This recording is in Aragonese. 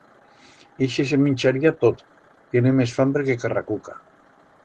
Ixe se mincharía tot, tiene mes fambre que carracuca.